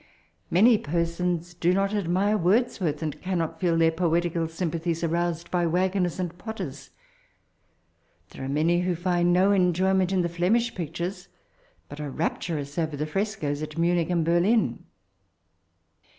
Many persons do not admire Wordsworth, and cannot feel their poetical sympa* I thies aronsed by waggoners and I potters. There are man^ who find I no enjoyment in the Flemish pictarea, bat are raptoroos over the frescoes at I Manich and Berlin.